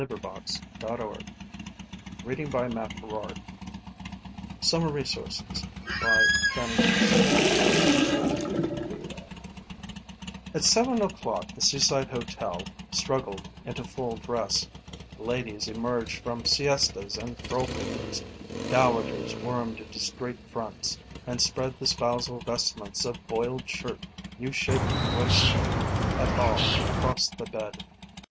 She could feel the veins in his palm throbbing. SUMMER RESOURCES At seven o'clock the Seaside Hotel struggled into full dress ladies emerged from siestas and curlpapers, dowagers wormed into straight fronts and spread the spousal vestments of boiled shirt, U shaped waistcoat et al. across the bed.